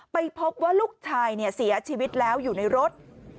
ไปพบว่าลูกชายเสียชีวิตแล้วอยู่ในรถ